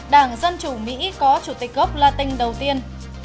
đảng dân chủ mỹ có chủ tịch gốc latin đầu tiên